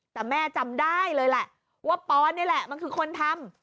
แต่แม่จำได้เลยแหละว่าปอนนี่แหละมันคือคนทำ